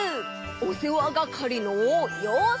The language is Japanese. おせわがかりのようせい！